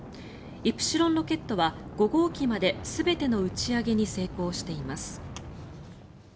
イプシロンロケットは５号機まで全ての打ち上げに成功しています。